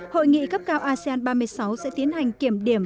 hội nghị cấp cao asean ba mươi sáu sẽ tiến hành kiểm điểm